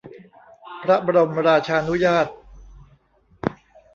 พระบรมราชานุญาต